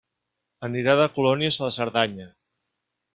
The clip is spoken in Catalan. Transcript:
Anirà de colònies a la Cerdanya.